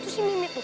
itu si mimi tuh